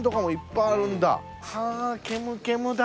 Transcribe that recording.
はぁけむけむだ。